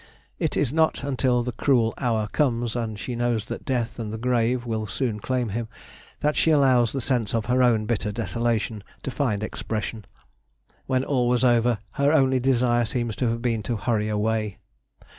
It is not until the cruel hour comes, and she knows that death and the grave will soon claim him, that she allows the sense of her own bitter desolation to find expression. When all was over, her only desire seems to have been to hurry away.